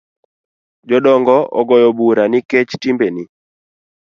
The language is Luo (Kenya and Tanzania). Jodongo ogoyo bura nikech timbeni